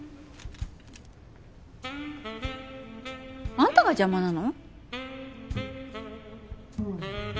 あんたが邪魔なの？